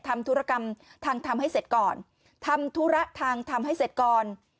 ธุรกรรมทางทำให้เสร็จก่อนทำธุระทางทำให้เสร็จก่อน